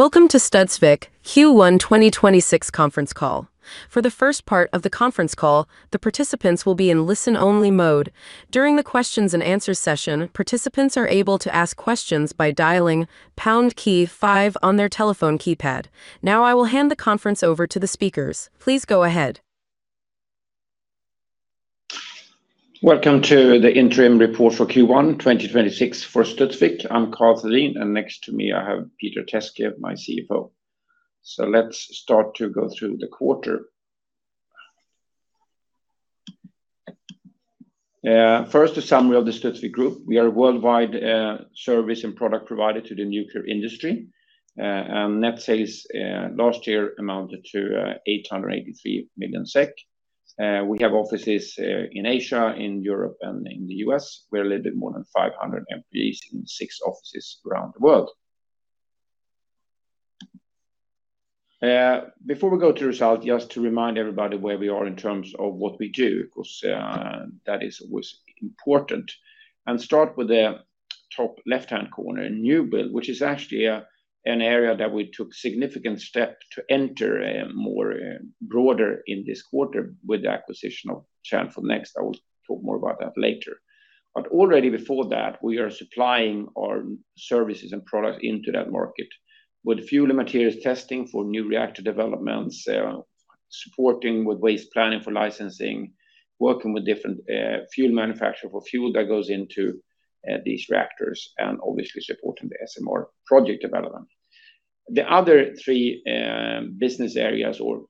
Welcome to Studsvik Q1 2026 conference call. For the first part of the conference call, the participants will be in listen-only mode. During the questions and answers session, participants are able to ask questions by dialing pound key five on their telephone keypad. Now I will hand the conference over to the speakers. Please go ahead. Welcome to the interim report for Q1 2026 for Studsvik. I'm Karl Thedéen, and next to me I have Peter Teske, my CFO. Let's start to go through the quarter. First, a summary of the Studsvik Group. We are a worldwide service and product provider to the nuclear industry. Net sales last year amounted to 883 million SEK. We have offices in Asia, in Europe and in the U.S. We're a little bit more than 500 employees in six offices around the world. Before we go to result, just to remind everybody where we are in terms of what we do, because that is always important, and start with the top left-hand corner, new build, which is actually an area that we took significant step to enter more broader in this quarter with the acquisition of Kärnfull Next. I will talk more about that later. Already before that, we are supplying our services and products into that market with fuel and materials testing for new reactor developments, supporting with waste planning for licensing, working with different fuel manufacturer for fuel that goes into these reactors, and obviously supporting the SMR project development. The other three business areas or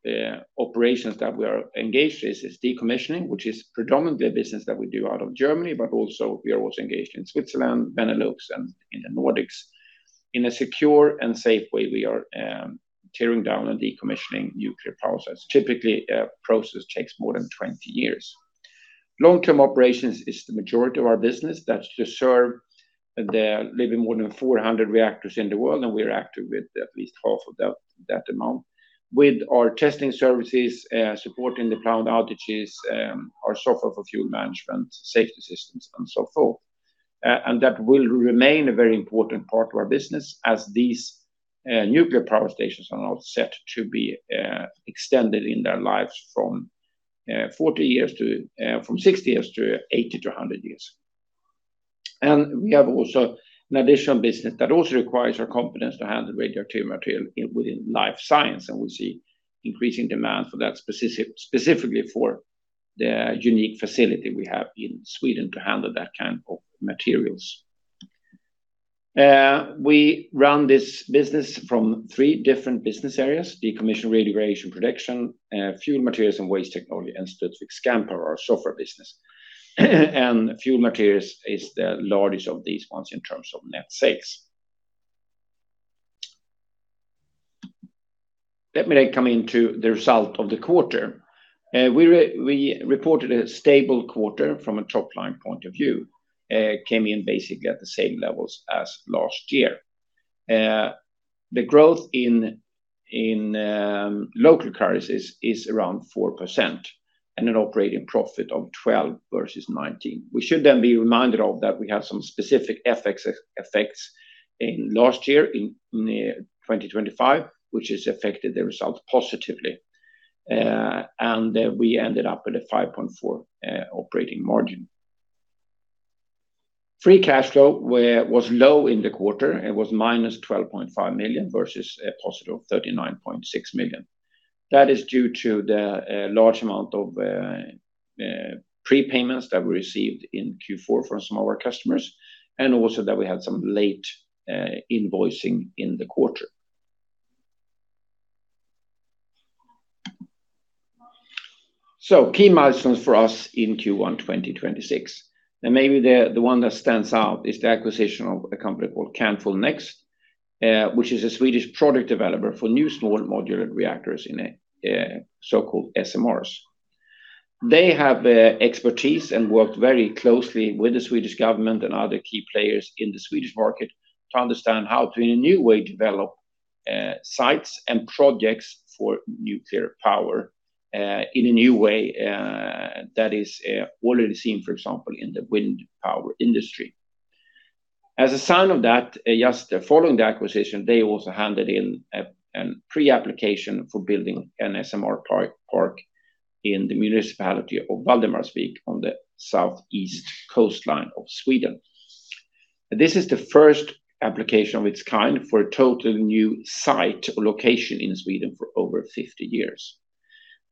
operations that we are engaged with is decommissioning, which is predominantly a business that we do out of Germany, but also, we are engaged in Switzerland, Benelux, and in the Nordics. In a secure and safe way, we are tearing down and decommissioning nuclear power plants. Typically, a process takes more than 20 years. Long-term operations is the majority of our business. That's to serve the little bit more than 400 reactors in the world, and we're active with at least half of that amount. With our testing services, supporting the plant outages, our software for fuel management, safety systems, and so forth. That will remain a very important part of our business as these nuclear power stations are now set to be extended in their lives from 60 years to 80 to 100 years. We have also an additional business that also requires our competence to handle radioactive material within life science, and we see increasing demand for that, specifically for the unique facility we have in Sweden to handle that kind of materials. We run this business from three different business areas: decommissioning, radiation protection, fuel materials and waste technology, and Studsvik Scandpower, our software business. Fuel materials is the largest of these ones in terms of net sales. Let me then come into the result of the quarter. We reported a stable quarter from a top-line point of view. Came in basically at the same levels as last year. The growth in local currencies is around 4% and an operating profit of 12 million versus 19 million. We should then be reminded of that we have some specific effects in last year in 2025, which has affected the results positively. We ended up with a 5.4% operating margin. Free cash flow was low in the quarter and was -12.5 million versus a +39.6 million. That is due to the large amount of prepayments that we received in Q4 from some of our customers, and also that we had some late invoicing in the quarter. Key milestones for us in Q1 2026, and maybe the one that stands out is the acquisition of a company called Kärnfull Next, which is a Swedish product developer for new small modular reactors in so-called SMRs. They have expertise and worked very closely with the Swedish government and other key players in the Swedish market to understand how to, in a new way, develop sites and projects for nuclear power in a new way that is already seen, for example, in the wind power industry. As a sign of that, just following the acquisition, they also handed in a pre-application for building an SMR park in the municipality of Valdemarsvik on the southeast coastline of Sweden. This is the first application of its kind for a totally new site or location in Sweden for over 50 years.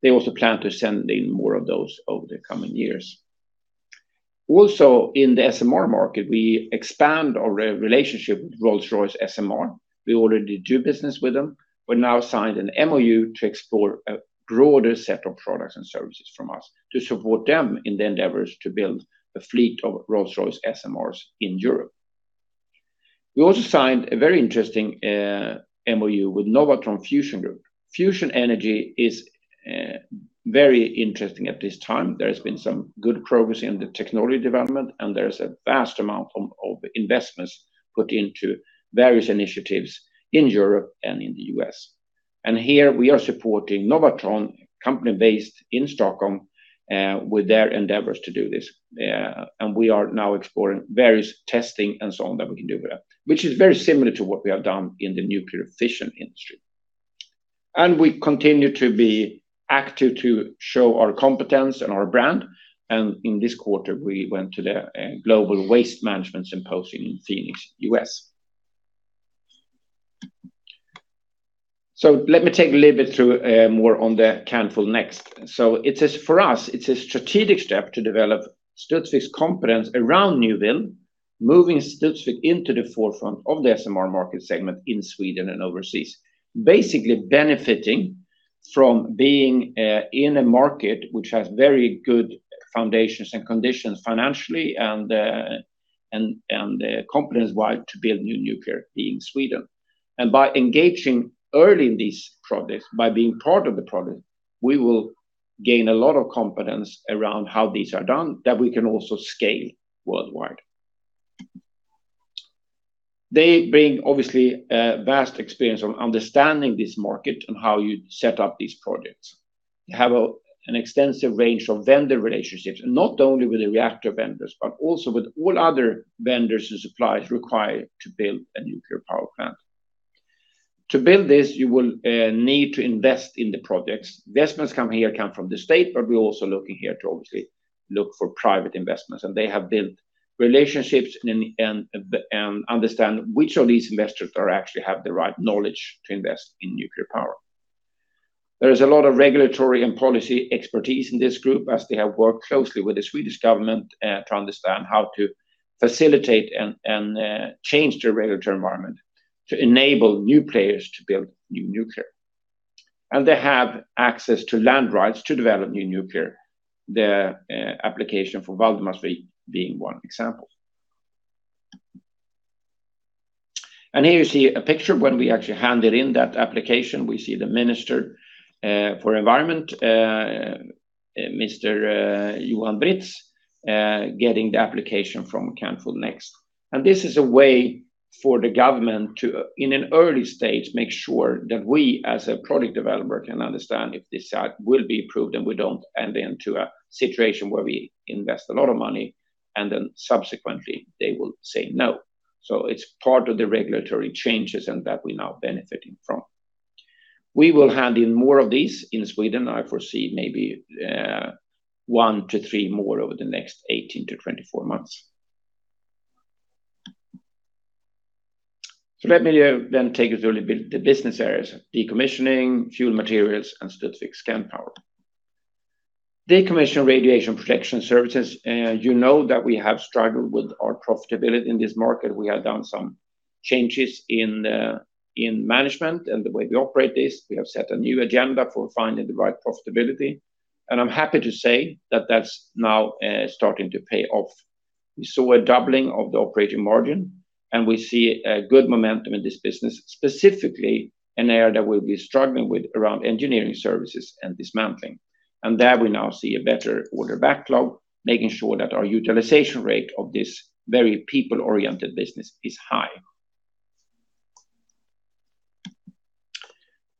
They also plan to send in more of those over the coming years. Also, in the SMR market, we expand our relationship with Rolls-Royce SMR. We already do business with them. We now signed an MoU to explore a broader set of products and services from us to support them in their endeavors to build a fleet of Rolls-Royce SMRs in Europe. We also signed a very interesting MoU with Novatron Fusion Group. Fusion energy is very interesting at this time. There has been some good progress in the technology development, and there is a vast amount of investments put into various initiatives in Europe and in the U.S. Here we are supporting Novatron, a company based in Stockholm, with their endeavors to do this. We are now exploring various testing and so on that we can do with that, which is very similar to what we have done in the nuclear fission industry. We continue to be active to show our competence and our brand. In this quarter, we went to the Waste Management Symposia in Phoenix, U.S. Let me take a little bit through more on the Kärnfull Next. For us, it's a strategic step to develop Studsvik's competence around new build, moving Studsvik into the forefront of the SMR market segment in Sweden and overseas. Basically, benefiting from being in a market which has very good foundations and conditions financially and competence-wise to build new nuclear here in Sweden. By engaging early in these projects, by being part of the project, we will gain a lot of competence around how these are done that we can also scale worldwide. They bring obviously vast experience on understanding this market and how you set up these projects. They have an extensive range of vendor relationships, not only with the reactor vendors, but also with all other vendors and suppliers required to build a nuclear power plant. To build this, you will need to invest in the projects. Investments here come from the state, but we're also looking here to obviously look for private investments, and they have built relationships and understand which of these investors actually have the right knowledge to invest in nuclear power. There is a lot of regulatory and policy expertise in this group as they have worked closely with the Swedish government to understand how to facilitate and change the regulatory environment to enable new players to build new nuclear. They have access to land rights to develop new nuclear, the application for Valdemarsvik being one example. Here you see a picture when we actually handed in that application. We see the Minister for Environment, Mr. Johan Britz, getting the application from Kärnfull Next. This is a way for the government to, in an early stage, make sure that we, as a product developer, can understand if this site will be approved and we don't end into a situation where we invest a lot of money and then subsequently they will say no. It's part of the regulatory changes and that we're now benefiting from. We will hand in more of these in Sweden. I foresee maybe one to three more over the next 18-24 months. Let me then take you through the business areas, Decommissioning, Fuel Materials, and Studsvik Scandpower. Decommissioning Radiation Protection Services. You know that we have struggled with our profitability in this market. We have done some changes in management and the way we operate this. We have set a new agenda for finding the right profitability, and I'm happy to say that that's now starting to pay off. We saw a doubling of the operating margin, and we see a good momentum in this business, specifically an area that we've been struggling with around engineering services and dismantling. There we now see a better order backlog, making sure that our utilization rate of this very people-oriented business is high.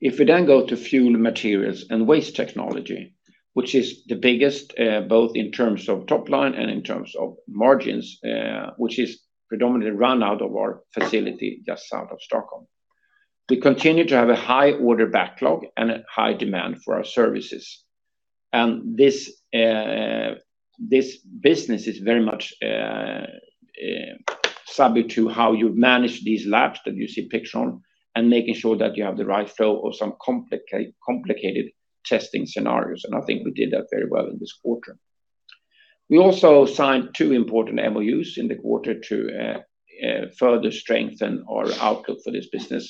If we then go to Fuel, Materials and Waste Technology, which is the biggest, both in terms of top line and in terms of margins, which is predominantly run out of our facility just south of Stockholm. We continue to have a high order backlog and a high demand for our services. This business is very much subject to how you manage these labs that you see pictures on and making sure that you have the right flow of some complicated testing scenarios. I think we did that very well in this quarter. We also signed two important MoUs in the quarter, to strengthen our business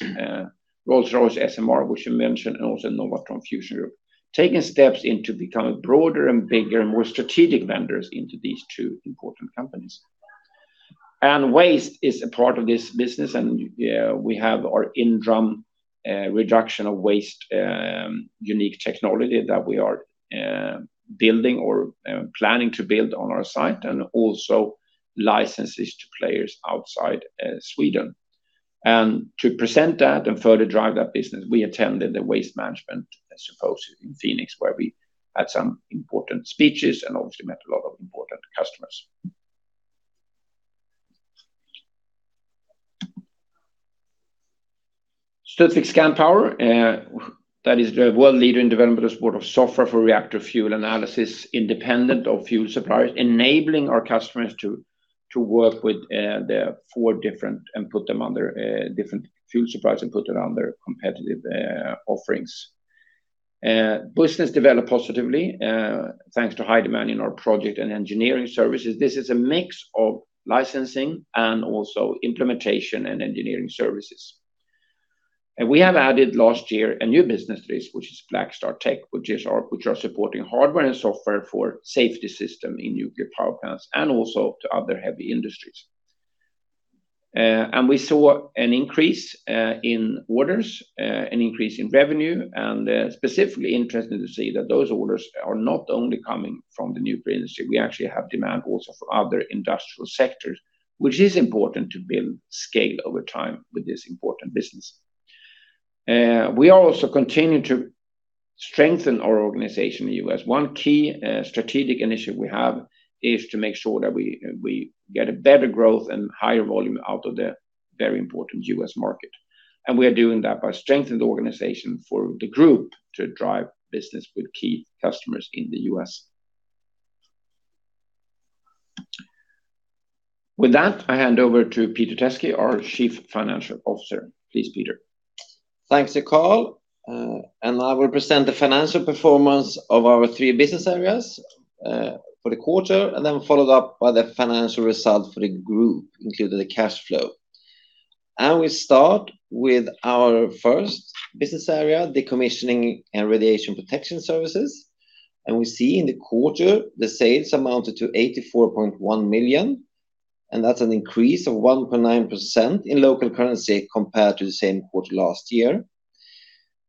Rolls-Royce SMR, which we mentioned, and also Novatron Fusion, taking steps into becoming broader and bigger and more strategic vendors into these two important companies. Waste is a part of this business, and we have our in-drum reduction of waste, unique technology that we are building or planning to build on our site and also licenses to players outside Sweden. To present that and further drive that business, we attended the Waste Management Symposium in Phoenix, where we had some important speeches and obviously met a lot of important customers. Studsvik Scandpower, that is the world leader in development and support of software for reactor fuel analysis, independent of fuel suppliers, enabling our customers to work with their four different and put them under different fuel suppliers and put it under competitive offerings. Business developed positively, thanks to high demand in our project and engineering services. This is a mix of licensing and also implementation and engineering services. We have added last year a new business risk, BlackStarTech, which are supporting hardware and software for safety system in nuclear power plants and also to other heavy industries. We saw an increase in orders, an increase in revenue, and specifically interested to see that those orders are not only coming from the nuclear industry. We actually have demand also for other industrial sectors. Which is important to build scale over time with this important business. We also continue to strengthen our organization in the U.S. One key strategic initiative we have is to make sure that we get a better growth and higher volume out of the very important U.S. market. We are doing that by strengthening the organization for the group to drive business with key customers in the U.S. With that, I hand over to Peter Teske, our Chief Financial Officer. Please, Peter. Thanks, Karl. I will present the financial performance of our three business areas, for the quarter, and then followed up by the financial result for the group, including the cash flow. We start with our first business area, Decommissioning and Radiation Protection Services. We see in the quarter, the sales amounted to 84.1 million, and that's an increase of 1.9% in local currency compared to the same quarter last year.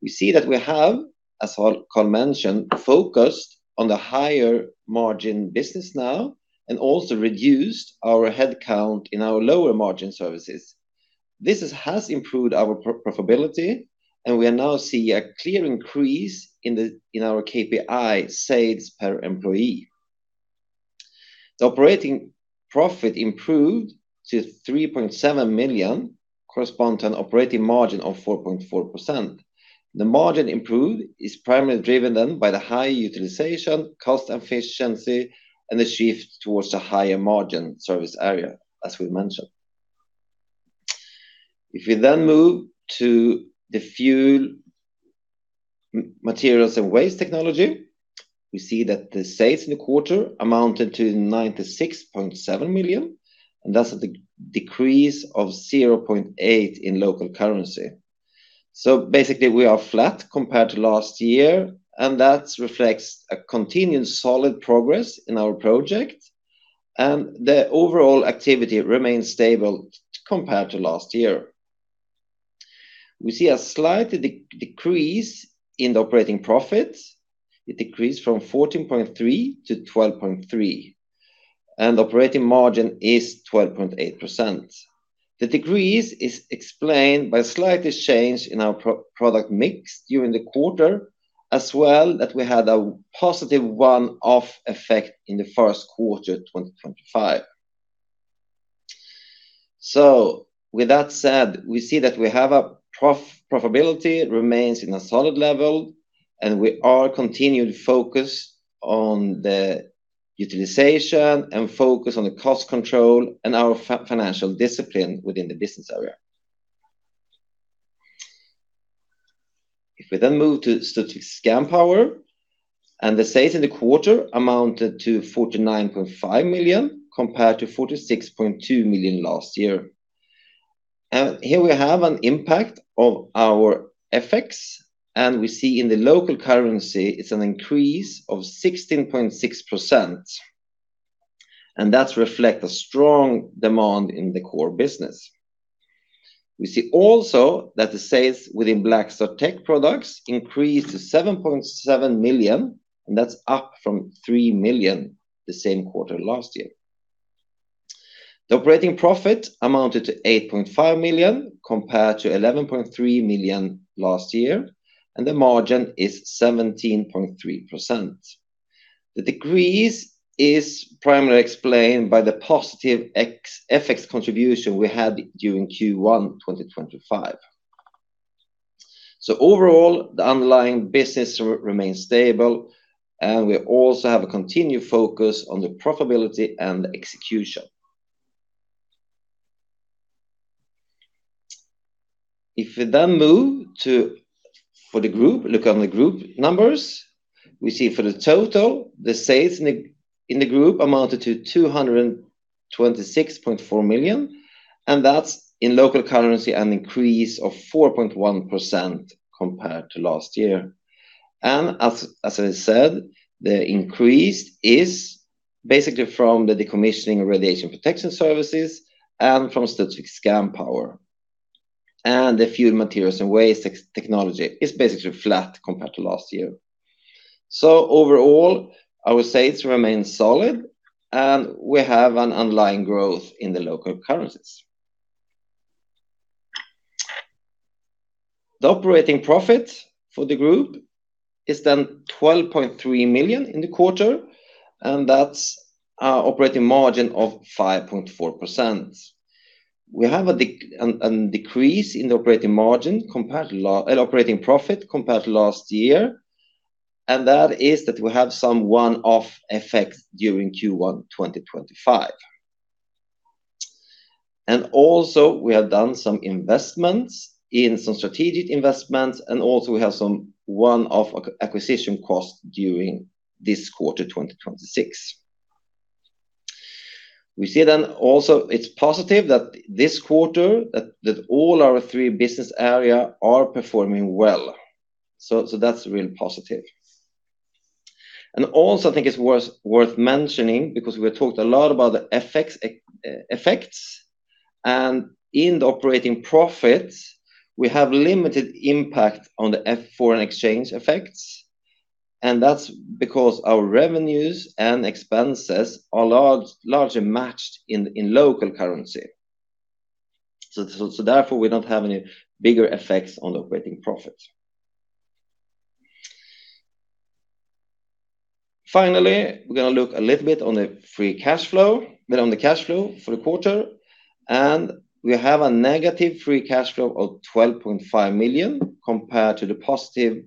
We see that we have, as Karl mentioned, focused on the higher margin business now and also reduced our headcount in our lower margin services. This has improved our profitability, and we are now seeing a clear increase in our KPI sales per employee. The operating profit improved to 3.7 million, corresponding to an operating margin of 4.4%. The margin improvement is primarily driven by the high utilization, cost efficiency, and the shift towards the higher margin service area, as we mentioned. If we move to the Fuel, Materials and Waste Technology, we see that the sales in the quarter amounted to 96.7 million, and that's a decrease of 0.8 million in local currency. Basically, we are flat compared to last year, and that reflects a continued solid progress in our project. The overall activity remains stable compared to last year. We see a slight decrease in the operating profit. It decreased from 14.3 million to 12.3 million, and operating margin is 12.8%. The decrease is explained by a slight change in our product mix during the quarter, as well as that we had a positive one-off effect in the first quarter 2025. With that said, we see that our profitability remains at a solid level and we are continually focused on the utilization and focused on the cost control and our financial discipline within the business area. If we then move to Scandpower, the sales in the quarter amounted to 49.5 million compared to 46.2 million last year. Here we have an impact of our FX, and we see in the local currency it's an increase of 16.6%. That reflect a strong demand in the core business. We see also that the BlackStarTech products increased to 7.7 million, and that's up from 3 million the same quarter last year. The operating profit amounted to 8.5 million compared to 11.3 million last year, and the margin is 17.3%. The decrease is primarily explained by the positive FX contribution we had during Q1 2025. Overall, the underlying business remains stable, and we also have a continued focus on the profitability and the execution. If we then move to the group, look on the group numbers, we see for the total, the sales in the group amounted to 226.4 million, and that's in local currency, an increase of 4.1% compared to last year. As I said, the increase is basically from the Decommissioning and Radiation Protection Services and from Studsvik Scandpower. The Fuel, Materials and Waste Technology is basically flat compared to last year. Overall, our sales remain solid, and we have an underlying growth in the local currencies. The operating profit for the group is then 12.3 million in the quarter, and that's our operating margin of 5.4%. We have a decrease in the operating profit compared to last year, and that is that we have some one-off effects during Q1 2025. Also, we have done some strategic investments and also we have some one-off acquisition costs during this quarter 2026. We see then also it's positive that this quarter that all our three business area are performing well. That's really positive. Also, I think it's worth mentioning because we have talked a lot about the effects and in the operating profit, we have limited impact on the foreign exchange effects. And that's because our revenues and expenses are largely matched in local currency. Therefore, we don't have any bigger effects on operating profits. Finally, we're going to look a little bit on the free cash flow for the quarter, and we have a negative free cash flow of 12.5 million compared to the positive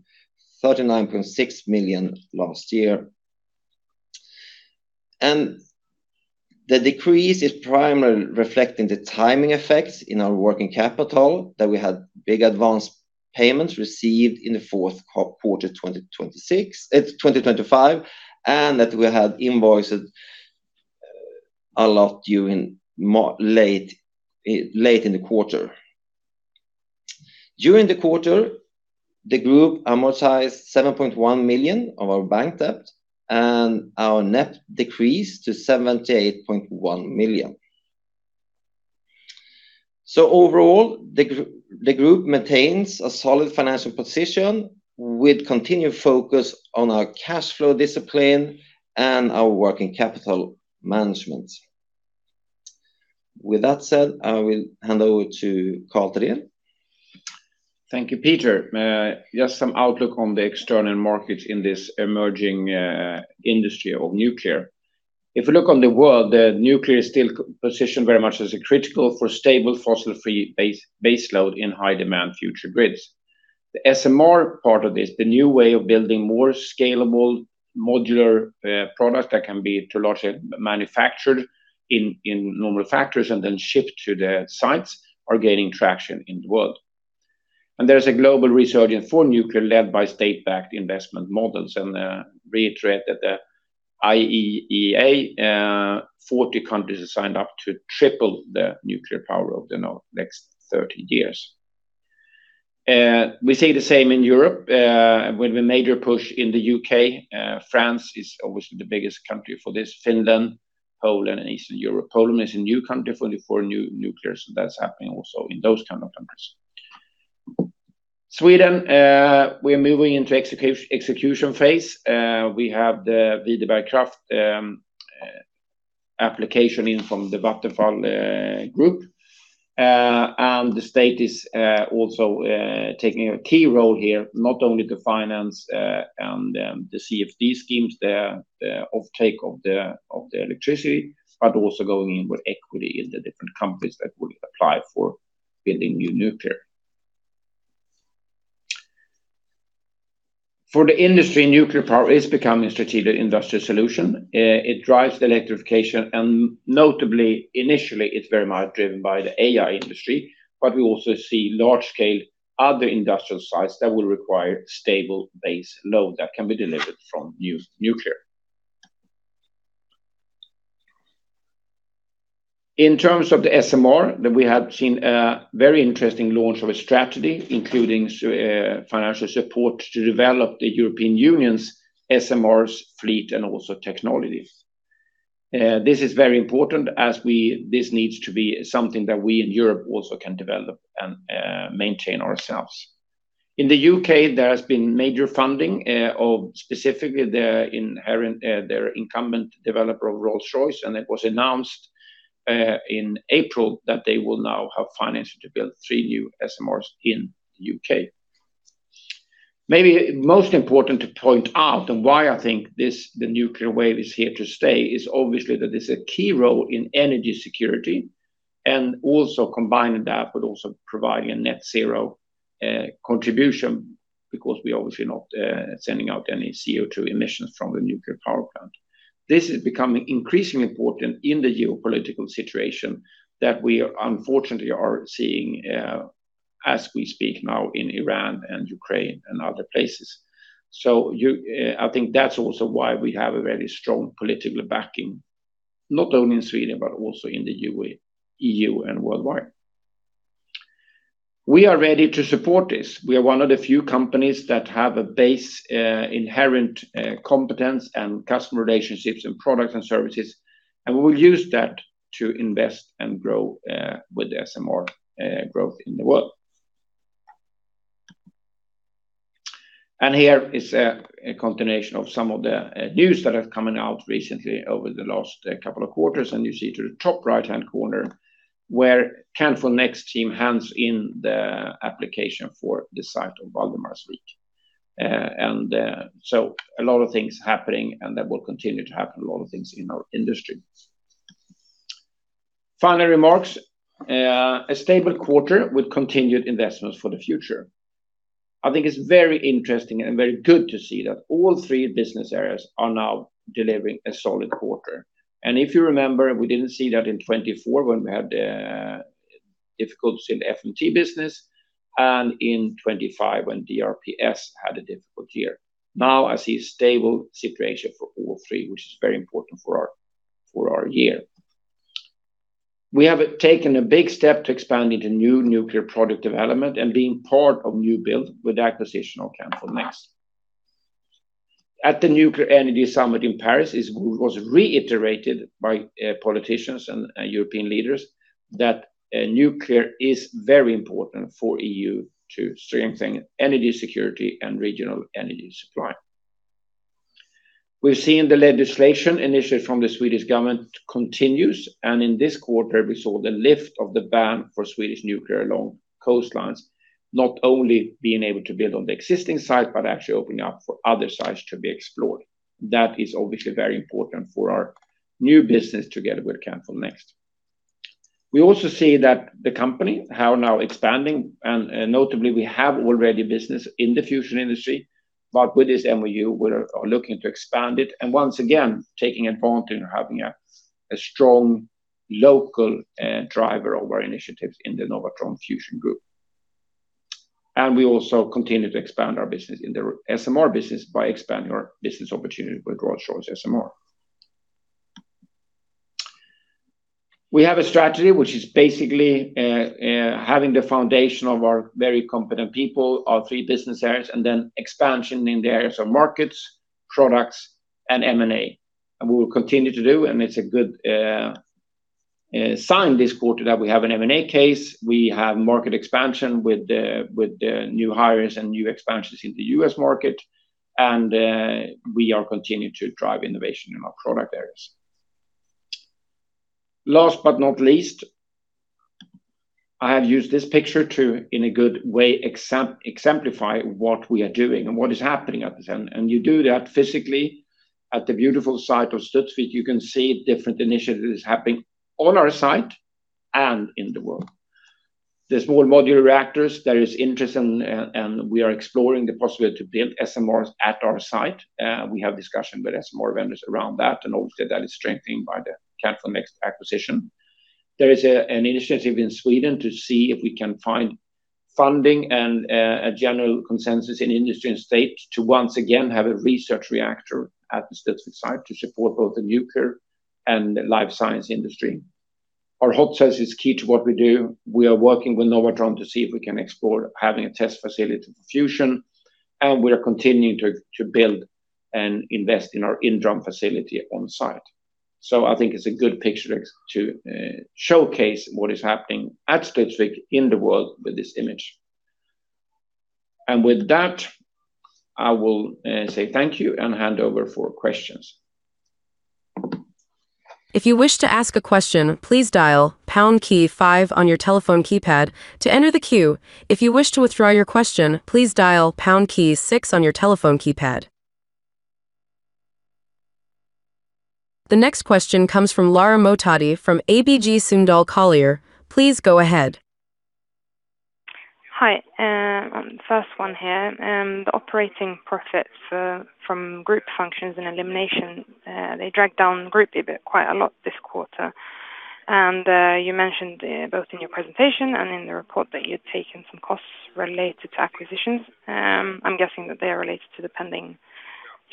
39.6 million last year. The decrease is primarily reflecting the timing effects in our working capital that we had big advance payments received in the fourth quarter 2025, and that we had invoices a lot late in the quarter. During the quarter, the group amortized 7.1 million of our bank debt and our net decreased to 78.1 million. Overall, the group maintains a solid financial position with continued focus on our cash flow discipline and our working capital management. With that said, I will hand over to Karl Thedéen. Thank you, Peter. Just some outlook on the external markets in this emerging industry of nuclear. If you look on the world, the nuclear is still positioned very much as critical for stable fossil-free baseload in high-demand future grids. The SMR part of this, the new way of building more scalable modular products that can be largely manufactured in normal factories and then shipped to the sites, are gaining traction in the world. There's a global resurgence for nuclear led by state-backed investment models. Reiterate that the IEEA, 40 countries have signed up to triple the nuclear power over the next 30 years. We say the same in Europe, with a major push in the U.K. France is obviously the biggest country for this. Finland, Poland, and Eastern Europe. Poland is a new country for new nuclear. That's happening also in those kind of countries. Sweden, we are moving into execution phase. We have the Videberg Kraft application in from the Vattenfall Group. The state is also taking a key role here, not only to finance and the CFD schemes, the offtake of the electricity, but also going in with equity in the different companies that will apply for building new nuclear. For the industry, nuclear power is becoming a strategic industrial solution. It drives the electrification and notably, initially, it's very much driven by the AI industry, but we also see large-scale other industrial sites that will require stable base load that can be delivered from new nuclear. In terms of the SMR, that we have seen a very interesting launch of a strategy, including financial support to develop the European Union's SMRs fleet and also technologies. This is very important as this needs to be something that we in Europe also can develop and maintain ourselves. In the U.K., there has been major funding of specifically their incumbent developer of Rolls-Royce, and it was announced in April that they will now have financing to build three new SMRs in the U.K. Maybe most important to point out and why I think the nuclear wave is here to stay is obviously that there's a key role in energy security and also combining that with also providing a net zero contribution because we're obviously not sending out any CO2 emissions from the nuclear power plant. This is becoming increasingly important in the geopolitical situation that we unfortunately are seeing as we speak now in Iran and Ukraine and other places. I think that's also why we have a very strong political backing, not only in Sweden but also in the EU and worldwide. We are ready to support this. We are one of the few companies that have a base inherent competence and customer relationships and products and services, and we will use that to invest and grow with the SMR growth in the world. Here is a continuation of some of the news that's coming out recently over the last couple of quarters, and you see to the top right-hand corner where Kärnfull Next team hands in the application for the site of Valdemarsvik. A lot of things happening, and that will continue to happen, a lot of things in our industry. Final remarks. A stable quarter with continued investments for the future. I think it's very interesting and very good to see that all three business areas are now delivering a solid quarter. If you remember, we didn't see that in 2024 when we had difficulties in the FMT business and in 2025 when DRPS had a difficult year. Now I see a stable situation for all three, which is very important for our year. We have taken a big step to expand into new nuclear product development and being part of new build with acquisition of Kärnfull Next. At the Nuclear Energy Summit in Paris, it was reiterated by politicians and European leaders that nuclear is very important for EU to strengthen energy security and regional energy supply. We're seeing the legislation initially from the Swedish government continues, and in this quarter we saw the lift of the ban for Swedish nuclear along coastlines, not only being able to build on the existing site, but actually opening up for other sites to be explored. That is obviously very important for our new business together with Kärnfull Next. We also see that the company is now expanding and notably we already have business in the fusion industry. With this MoU we are looking to expand it and once again taking advantage of having a strong local driver of our initiatives in the Novatron Fusion Group. We also continue to expand our business in the SMR business by expanding our business opportunity with Rolls-Royce SMR. We have a strategy which is basically having the foundation of our very competent people, our three business areas, and then expansion in the areas of markets, products, and M&A. We will continue to do, and it's a good sign this quarter that we have an M&A case. We have market expansion with the new hires and new expansions in the U.S. market. We are continuing to drive innovation in our product areas. Last but not least, I have used this picture to, in a good way, exemplify what we are doing and what is happening at this end. You do that physically at the beautiful site of Studsvik. You can see different initiatives happening on our site and in the world. The small modular reactors, there is interest and we are exploring the possibility to build SMRs at our site. We have discussion with SMR vendors around that and obviously that is strengthened by the Kärnfull Next acquisition. There is an initiative in Sweden to see if we can find funding and a general consensus in industry and state to once again have a research reactor at the Studsvik site to support both the nuclear and life science industry. Our hot cell is key to what we do. We are working with Novatron to see if we can explore having a test facility for fusion, and we are continuing to build and invest in our inDRUM facility on site. I think it's a good picture to showcase what is happening at Studsvik in the world with this image. With that, I will say thank you and hand over for questions. If you wish to ask a question, please dial pound key five on your telephone keypad to enter the queue. If you wish to withdraw your question, please dial pound key six on your telephone keypad. The next question comes from Lara Mohtadi from ABG Sundal Collier. Please go ahead. Hi, first one here. The operating profits from group functions and elimination they dragged down the group a bit, quite a lot this quarter. You mentioned both in your presentation and in the report that you'd taken some costs related to acquisitions. I'm guessing that they are related to the pending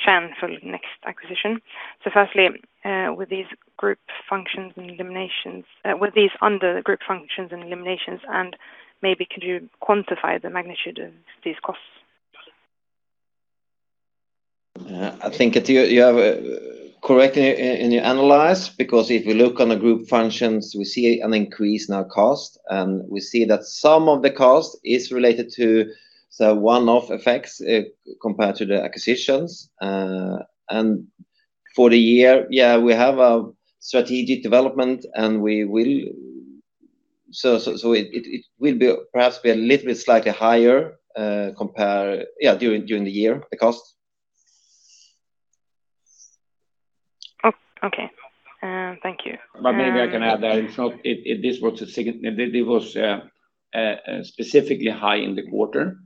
Kärnfull Next acquisition. Firstly, were these under the group functions and eliminations, and maybe could you quantify the magnitude of these costs? I think you have correctly in your analysis, because if you look at the group functions, we see an increase in our costs, and we see that some of the costs is related to the one-off effects compared to the acquisitions. For the year, yeah, we have a strategic development and so it will perhaps be a little bit slightly higher during the year, the costs. Okay. Thank you. Maybe I can add that it was specifically high in the quarter.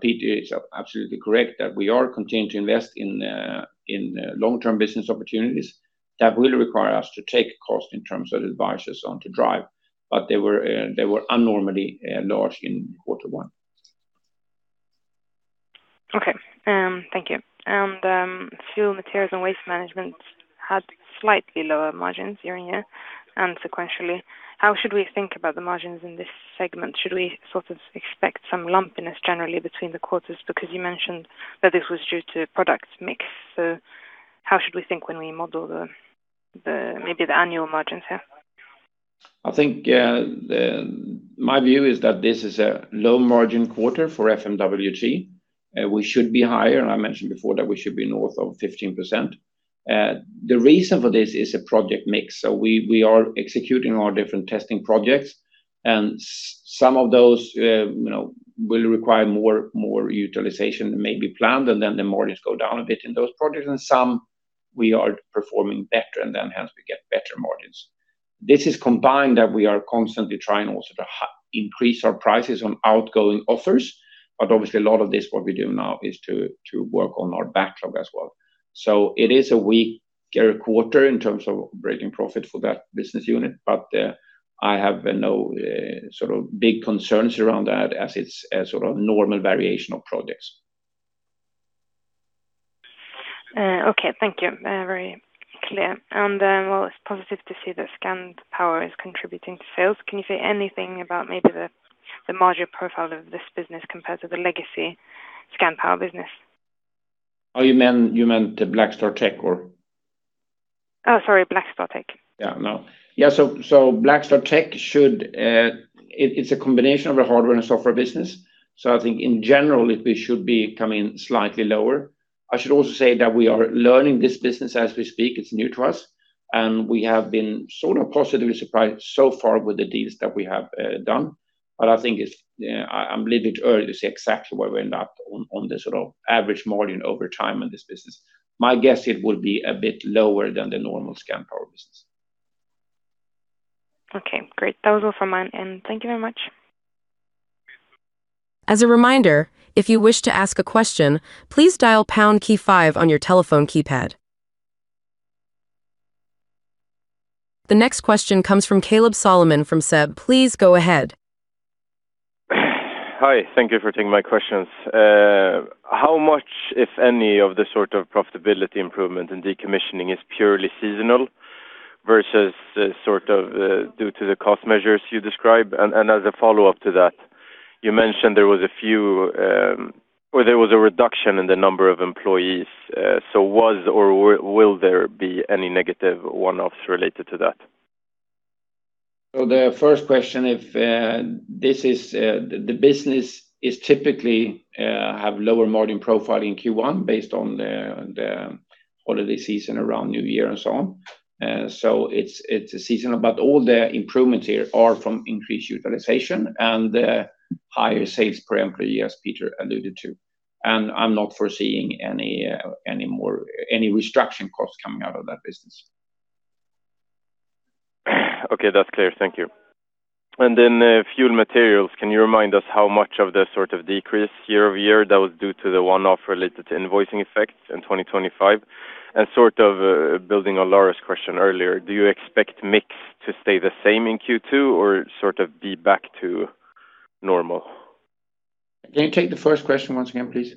Peter is absolutely correct that we are continuing to invest in long-term business opportunities that will require us to incur costs in terms of advisors on to drive. They were unusually large in quarter one. Okay, thank you. Fuel, Materials and Waste Technology had slightly lower margins year-over-year and sequentially. How should we think about the margins in this segment? Should we sort of expect some lumpiness generally between the quarters? Because you mentioned that this was due to product mix. How should we think when we model maybe the annual margins here? I think my view is that this is a low margin quarter for FMWT. We should be higher, and I mentioned before that we should be north of 15%. The reason for this is a project mix. We are executing our different testing projects and some of those will require more utilization than may be planned, and then the margins go down a bit in those projects, and some we are performing better and then hence we get better margins. This is combined that we are constantly trying also to increase our prices on outgoing offers. Obviously a lot of this, what we do now is to work on our backlog as well. It is a weak quarter in terms of breaking profit for that business unit, but I have no sort of big concerns around that as it's a sort of normal variation of projects. Okay, thank you. Very clear. Well, it's positive to see that Scandpower is contributing to sales. Can you say anything about maybe the margin profile of this business compared to the legacy Scandpower business? You meant BlackStarTech or? oh, sorry, BlackStarTech. BlackStarTech, it's a combination of a hardware and software business. I think in general, it should be coming slightly lower. I should also say that we are learning this business as we speak. It's new to us, and we have been sort of positively surprised so far with the deals that we have done. I think it's a little bit early to say exactly where we end up on the sort of average margin over time in this business. My guess, it will be a bit lower than the normal Scandpower business. Okay, great. That was all from me, and thank you very much. As a reminder, if you wish to ask a question, please dial pound key five on your telephone keypad. The next question comes from Kaleb Solomon from SEB. Please go ahead. Hi, thank you for taking my questions. How much, if any, of the sort of profitability improvement in decommissioning is purely seasonal versus sort of due to the cost measures you describe? And as a follow-up to that, you mentioned there was a few, or there was a reduction in the number of employees. Was or will there be any negative one-offs related to that? The first question, the business is typically have lower margin profile in Q1 based on the holiday season around New Year and so on. It's seasonal, but all the improvements here are from increased utilization and higher sales per employee, as Peter alluded to. I'm not foreseeing any restructuring costs coming out of that business. Okay. That's clear. Thank you. Fuel materials, can you remind us how much of the sort of decrease year-over-year that was due to the one-off related to invoicing effects in 2025? Sort of building on Lara's question earlier, do you expect mix to stay the same in Q2 or sort of be back to normal? Can you take the first question once again, please?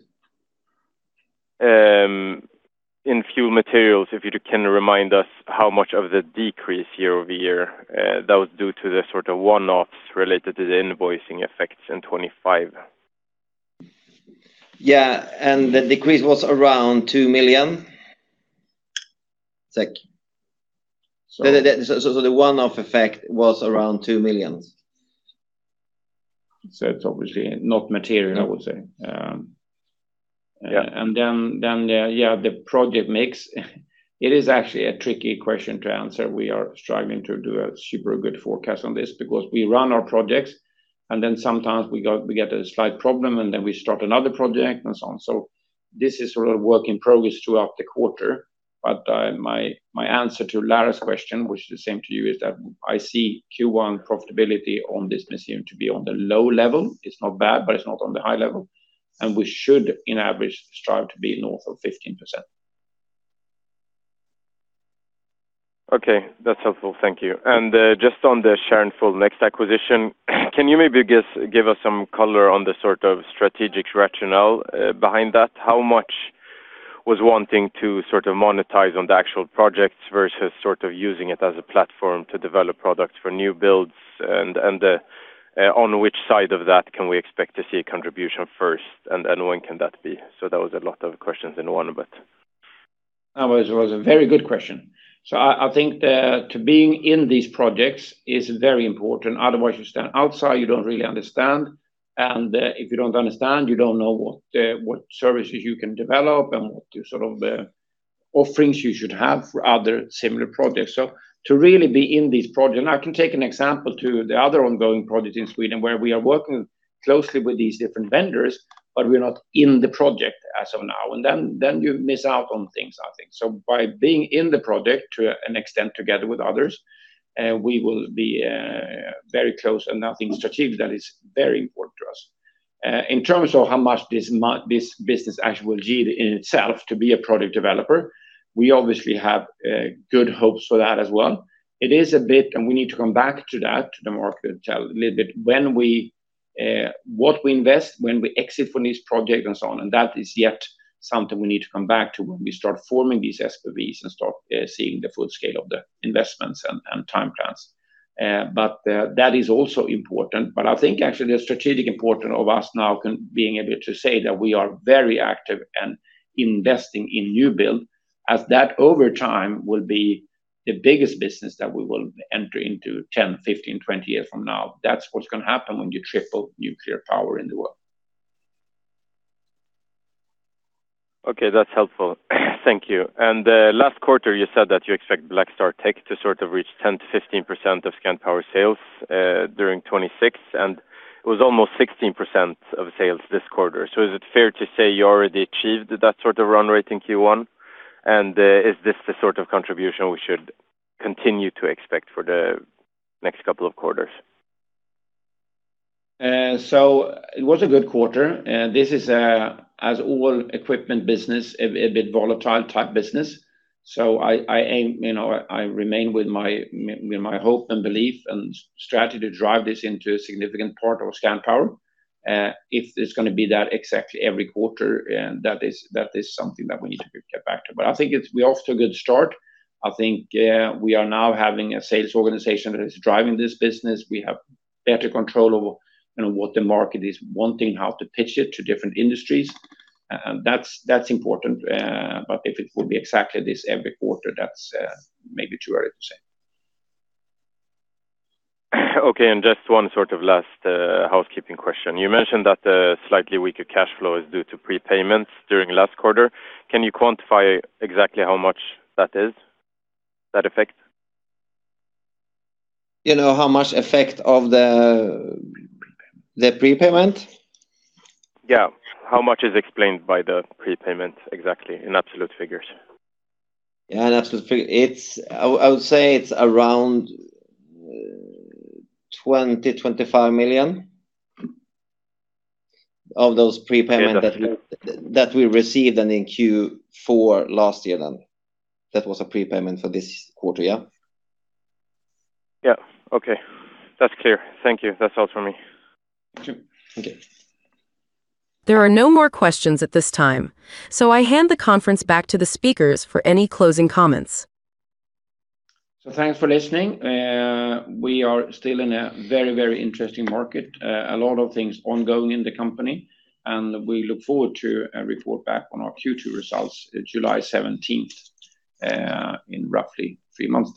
In fuel materials, if you can remind us how much of the decrease year-over-year that was due to the sort of one-offs related to the invoicing effects in 2025? Yeah, the decrease was around 2 million. The one-off effect was around 2 million. It's obviously not material, I would say. Yeah. Yeah, the project mix, it is actually a tricky question to answer. We are striving to do a super good forecast on this because we run our projects, and then sometimes we get a slight problem, and then we start another project and so on. This is sort of work in progress throughout the quarter. My answer to Lara's question, which is the same to you, is that I see Q1 profitability on this machine to be on the low level. It's not bad, but it's not on the high level. We should, in average, strive to be north of 15%. Okay, that's helpful. Thank you. Just on the Kärnfull Next acquisition, can you maybe give us some color on the sort of strategic rationale behind that? How much was wanting to sort of monetize on the actual projects versus sort of using it as a platform to develop products for new builds, and on which side of that can we expect to see a contribution first, and when can that be? That was a lot of questions in one, but... That was a very good question. I think to being in these projects is very important. Otherwise, you stand outside, you don't really understand, and if you don't understand, you don't know what services you can develop and what the sort of offerings you should have for other similar projects. To really be in this project, and I can take an example to the other ongoing project in Sweden, where we are working closely with these different vendors, but we're not in the project as of now. Then you miss out on things, I think. By being in the project to an extent together with others, we will be very close and nothing strategic that is very important to us. In terms of how much this business actually will need in itself to be a product developer, we obviously have good hopes for that as well. It is a bit, and we need to come back to that, to the market, a little bit, what we invest, when we exit from this project and so on. That is yet something we need to come back to when we start forming these SPVs and start seeing the full scale of the investments and time plans. That is also important. I think actually the strategic importance of us now being able to say that we are very active and investing in new build, as that over time will be the biggest business that we will enter into 10, 15, 20 years from now. That's what's going to happen when you triple nuclear power in the world. Okay. That's helpful. Thank you. Last quarter you said that BlackStarTech to sort of reach 10%-15% of Scandpower sales during 2026, and it was almost 16% of sales this quarter. Is it fair to say you already achieved that sort of run rate in Q1? Is this the sort of contribution we should continue to expect for the next couple of quarters? It was a good quarter. This is, as all equipment business, a bit volatile type business. I remain with my hope and belief and strategy to drive this into a significant part of Scandpower. If it's going to be that exactly every quarter, that is something that we need to get back to. I think we're off to a good start. I think we are now having a sales organization that is driving this business. We have better control over what the market is wanting, how to pitch it to different industries. That's important. If it will be exactly this every quarter, that's maybe too early to say. Okay, and just one sort of last housekeeping question. You mentioned that the slightly weaker cash flow is due to prepayments during last quarter. Can you quantify exactly how much that is, that effect? You know how much effect of the...the prepayment? Yeah. How much is explained by the prepayment exactly in absolute figures? Yeah, in absolute figure. I would say it's around 20 million-25 million of those prepayment- Okay. Got you. That we received in Q4 last year then. That was a prepayment for this quarter, yeah? Yeah. Okay. That's clear. Thank you. That's all for me. Thank you. Okay. There are no more questions at this time, so I hand the conference back to the speakers for any closing comments. Thanks for listening. We are still in a very, very interesting market. A lot of things ongoing in the company, and we look forward to a report back on our Q2 results July 17th, in roughly three months time.